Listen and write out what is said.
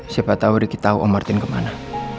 siapa tahu riki tahu om martin kemana